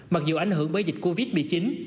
mặc dù ảnh hưởng bởi dịch covid bị chín